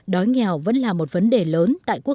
đói nghèo vẫn là một vấn đề lớn